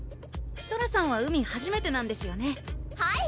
ソラさんは海はじめてなんですよねはい！